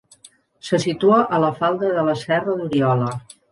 Se situa a la falda de la serra d'Oriola.